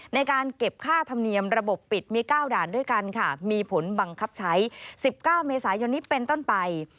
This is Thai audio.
ในการเก็บค่าธรรมเนียมระบบปิดมี๙ด่านด้วยกันค่ะมีผลบังคับใช้๑๙เมษายนนี้เป็นต้นไป